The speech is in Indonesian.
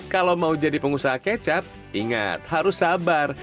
kalau mau jadi pengusaha kecap ingat harus sabar